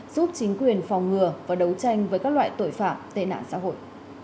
giúp chính quyền phòng ngừa và đấu tranh với các loại tội phạm tên ản xã hội